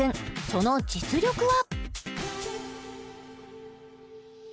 その実力は？